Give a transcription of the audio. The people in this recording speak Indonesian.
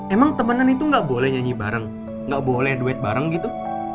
emang temenan itu nggak boleh nyanyi bareng gak boleh duet bareng gitu